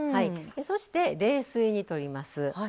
そして、冷水にとります。